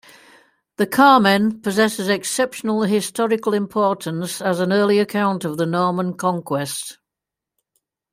The "Carmen" possesses exceptional historical importance as an early account of the Norman Conquest.